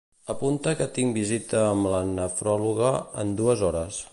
Apunta que tinc visita amb la nefròloga en dues hores.